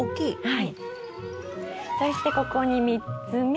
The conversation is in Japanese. はい。